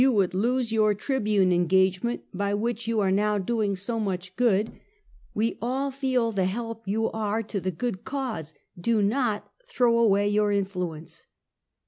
133 would lose your Tr^ibune engagement, by which you are now doing so much good. "We all feel the help you are to the good cause. Do not throw away your influence!